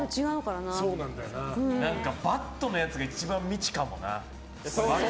バットのやつが一番未知かもな。